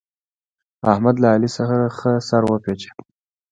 احمد له علي څخه سر وپېچه.